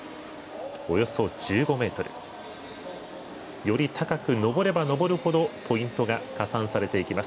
およそ１５ｍ。より高く登れば登るほどポイントが加算されていきます。